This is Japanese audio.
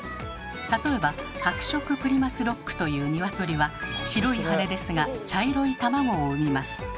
例えば「白色プリマスロック」という鶏は白い羽ですが茶色い卵を産みます。